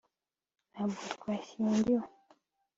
ntabwo twashyingiwe